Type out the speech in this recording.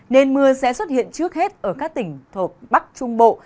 nên mưa sẽ xuất hiện trước hết ở các tỉnh thuộc bắc trung bộ